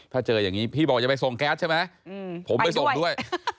ถ้าเจออย่างนี้พี่บอกจะไปส่งแก๊สใช่ไหมผมไปส่งด้วย